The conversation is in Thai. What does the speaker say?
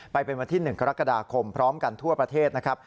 ไปเป็นวันที่๑กรกฎาคมพร้อมกันทั่วประเทศนะครับ